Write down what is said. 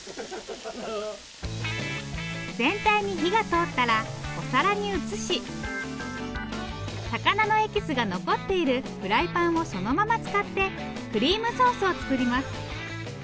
全体に火が通ったらお皿に移し魚のエキスが残っているフライパンをそのまま使ってクリームソースを作ります。